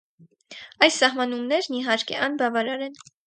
Այս սահմանումներն, իհարկե, անբավարար են։